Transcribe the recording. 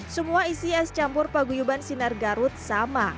semua isi es campur paguyuban sinar garut sama